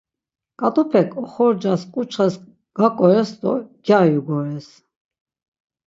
Ǩat̆upek oxorcas ǩuçxes gaǩores do gyari ugores.